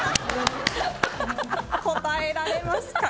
答えられますか？